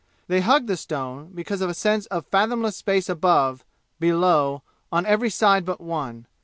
They hugged the stone because of a sense of fathomless space above below on every side but one.